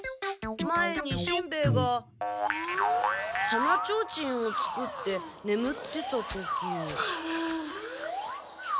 前にしんべヱが鼻ちょうちんを作ってねむってた時。